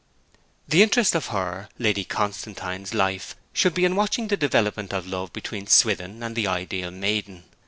The interest of her, Lady Constantine's, life should be in watching the development of love between Swithin and the ideal maiden.